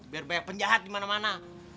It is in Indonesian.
biar banyak penjahat di mana mana